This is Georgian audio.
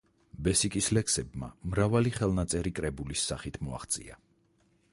ბესიკის ლექსებმა მრავალი ხელნაწერი კრებულის სახით მოაღწია.